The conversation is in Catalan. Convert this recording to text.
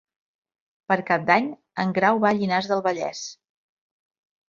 Per Cap d'Any en Grau va a Llinars del Vallès.